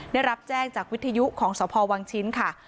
ได้รับแจ้งจากวิทยุของสพวังชิ้นค่ะ